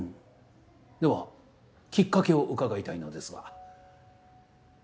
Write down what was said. ではきっかけを伺いたいのですが。